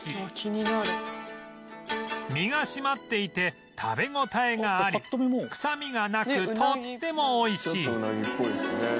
身が締まっていて食べ応えがあり臭みがなくとっても美味しい